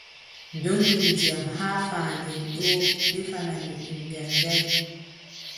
Dollu ndiyam haa fahannde ɗoo ndefanaami ɓiŋngel ngel,